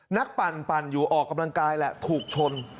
ปั่นอยู่ออกกำลังกายแหละถูกชน